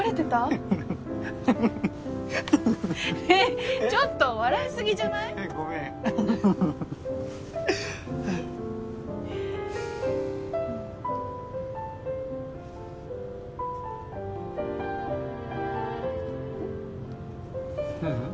うんフフフえっちょっと笑いすぎじゃないごめんうん？